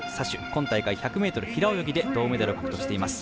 今大会１００ｍ平泳ぎで銅メダルを獲得しています。